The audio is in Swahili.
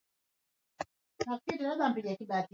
kaboni zaidi kuliko mawazo ya hapo awali